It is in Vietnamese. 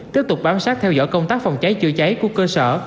tiếp tục bám sát theo dõi công tác phòng cháy chữa cháy của cơ sở